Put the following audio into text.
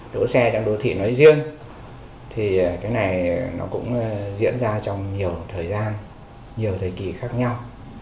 đỗ xe trong đô thị nói riêng thì cái này nó cũng diễn ra trong nhiều thời gian nhiều thời kỳ khác nhau